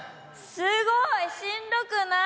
すごい！しんどくない！